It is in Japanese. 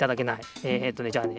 えっとねじゃあね